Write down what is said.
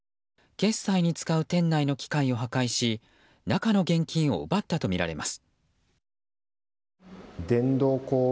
決済に使う店内の機械を破壊し中の現金を奪ったとみられます。